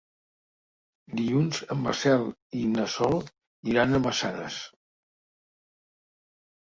Dilluns en Marcel i na Sol iran a Massanes.